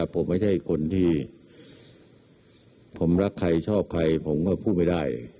ผมไม่ใช่คนที่ผมรักใครชอบใครผมก็พูดไม่ได้